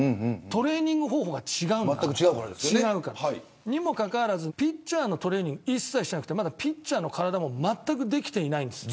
トレーニング方法が違うから。にもかかわらずピッチャーのトレーニング一切していなくてまだピッチャーの体もまったくできていないんです。